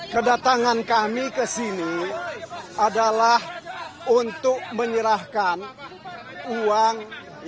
kedatangan kami ke sini adalah untuk menyerahkan uang